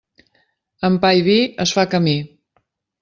Amb pa i vi es fa camí.